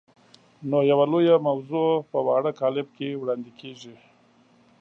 نو یوه لویه موضوع په واړه کالب کې وړاندې کېږي.